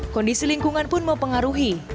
kondisi lingkungan pun mempengaruhi